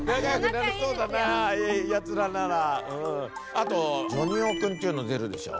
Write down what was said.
あとジョニ男くんっていうの出るでしょ？